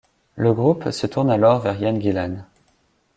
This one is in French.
Le groupe se tourne alors vers Ian Gillan.